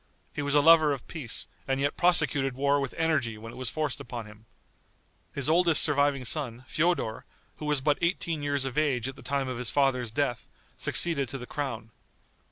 He was a lover of peace, and yet prosecuted war with energy when it was forced upon him. His oldest surviving son, Feodor, who was but eighteen years of age at the time of his father's death, succeeded to the crown.